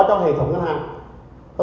một rủi ro này tức là vốn chúng tôi thu chậm